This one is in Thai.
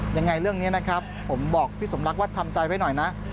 ยังไงเรื่องนี้นะครับผมบอกพี่สมรักว่าทำใจไว้หน่อยนะ